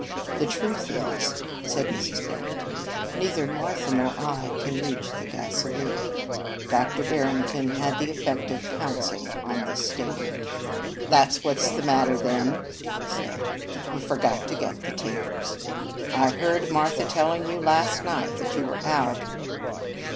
"The truth is," said Mrs. Barrington, "neither Martha nor I can reach the gasolier." Dr. Barrington had the effect of pouncing on this statement. "That's what's the matter, then," he said. "You forgot to get the tapers. I heard Martha telling you last night that they were out."